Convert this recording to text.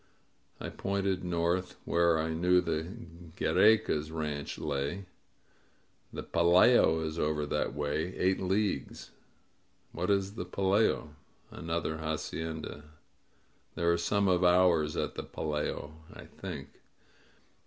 I pointed north, where I knew the Giiercas' ranch lay. "The Pelayo is over that way — eight leagues." "What is the Pelayo?" ^^Another hacienda. There are some of ours at the Pelayo, I think.